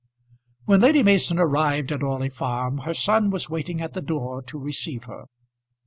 When Lady Mason arrived at Orley Farm her son was waiting at the door to receive her.